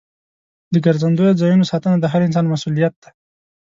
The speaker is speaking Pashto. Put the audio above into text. د ګرځندوی ځایونو ساتنه د هر انسان مسؤلیت دی.